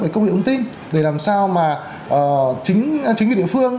về công nghệ ống tin để làm sao mà chính quyền địa phương